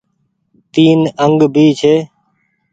تين انگ ڀي ڇي۔